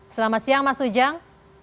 selamat siang mas ujang